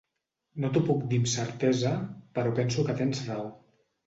No t'ho puc dir amb certesa però penso que tens raó.